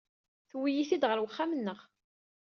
Tuwey-it-id ɣer wexxam-nneɣ.